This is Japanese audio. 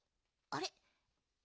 あれ？